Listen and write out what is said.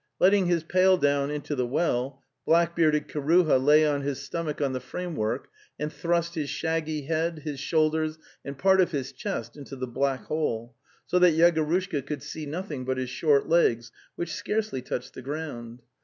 Letting his pail down into the well, black bearded Kiruha lay on his stomach on the framework and thrust his shaggy head, his shoulders, and part of his chest into the black hole, so that Yegorushka could see nothing but his short legs, which scarcely touched the ground.